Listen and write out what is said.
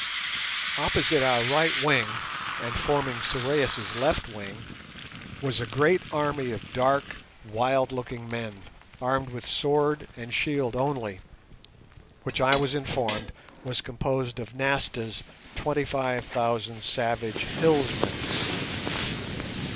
Opposite our right wing, and forming Sorais' left wing, was a great army of dark, wild looking men, armed with sword and shield only, which, I was informed, was composed of Nasta's twenty five thousand savage hillsmen.